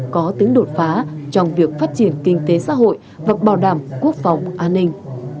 có tính đột phá trong việc phát triển kinh tế xã hội và bảo đảm quốc phòng an ninh